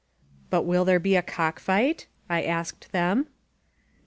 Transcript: <9at win there be a cock ^g^t?^ I asked them.